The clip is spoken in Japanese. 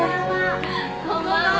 こんばんは。